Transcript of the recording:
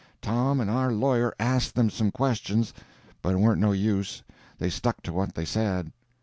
Tom and our lawyer asked them some questions; but it warn't no use, they stuck to what they said.